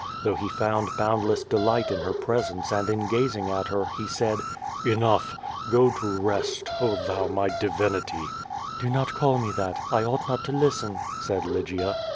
Though he found boimd less delight in her presence and in gazing at her, he said: "Enough! Go to rest. Oh thou, my divinity! " "Do not call me that. I ought not to listen,*' said Lygia.